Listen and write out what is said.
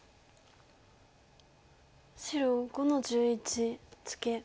白５の十一ツケ。